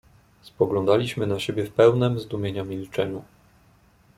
"Spoglądaliśmy na siebie w pełnem zdumienia milczeniu."